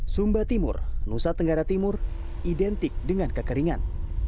sumba timur nusa tenggara timur identik dengan kekeringan